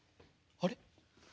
あれ？